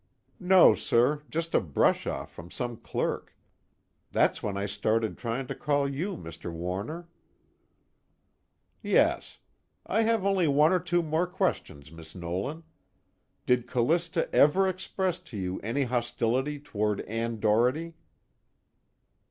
"No, sir, just a brush off from some clerk. That's when I started trying to call you, Mr. Warner." "Yes. I have only one or two more questions, Miss Nolan. Did Callista ever express to you any hostility toward Ann Doherty?"